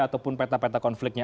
walaupun peta peta konfliknya